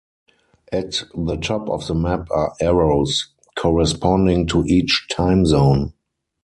At the top of the map are arrows corresponding to each time zone.